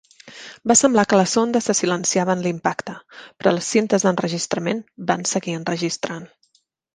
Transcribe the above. Va semblar que la sonda se silenciava en l'impacte, però les cintes d'enregistrament van seguir enregistrant.